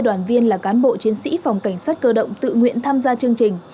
đoàn viên là cán bộ chiến sĩ phòng cảnh sát cơ động tự nguyện tham gia chương trình